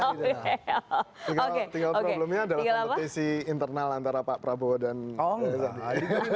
tinggal problemnya adalah kompetisi internal antara pak prabowo dan lain lain